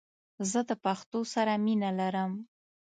زه د پښتو سره مینه لرم🇦🇫❤️